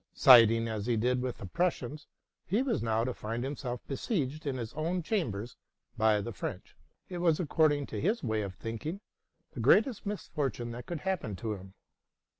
Siding as he did with the Prussians, he was now to find himself besieged in his own chambers by the French: it was, according to his way of thinking, the greatest misfortune that could happen to him.